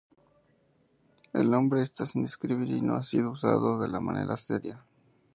El nombre está sin describir y no ha sido usado de manera seria.